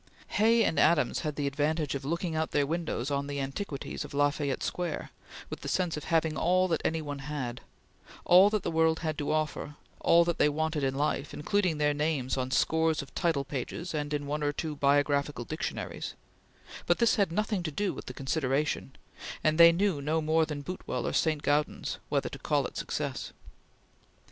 Hay and Adams had the advantage of looking out of their windows on the antiquities of La Fayette Square, with the sense of having all that any one had; all that the world had to offer; all that they wanted in life, including their names on scores of title pages and in one or two biographical dictionaries; but this had nothing to do with consideration, and they knew no more than Boutwell or St. Gaudens whether to call it success.